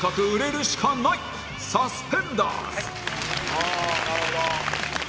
ああーなるほど。